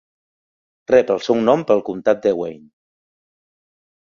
Rep el seu nom pel comtat de Wayne.